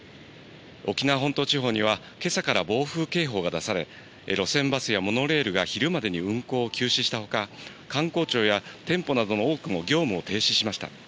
沖縄本島地方には、けさから暴風警報が出され、路線バスやモノレールが昼までに運行を休止したほか、官公庁や店舗などの多くも業務を停止しました。